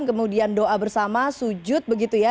kemudian doa bersama sujud begitu ya